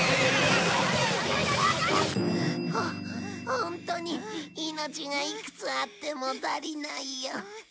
ホホントに命がいくつあっても足りないよ。